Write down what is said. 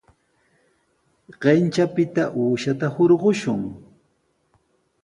Kanchapita uushata hurqashun.